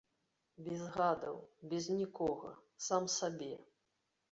Без гадаў, без нікога, сам сабе.